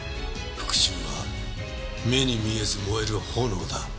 復讐は目に見えず燃える炎だ。